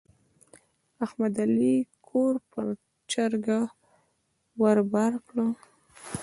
احمد د علي کور پر چرګه ور بار کړ.